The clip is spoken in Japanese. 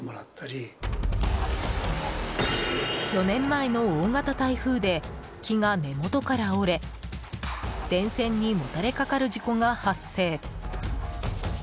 ４年前の大型台風で木が根元から折れ電線にもたれかかる事故が発生。